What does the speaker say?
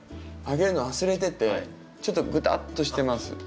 あげるの忘れててちょっとぐたっとしてます。